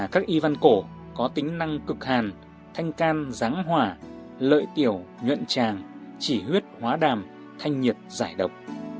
các y văn cổ có tính năng cực hàn thanh can giáng hỏa lợi tiểu nhuận tràng chỉ huyết hóa đàm thanh nhiệt giải độc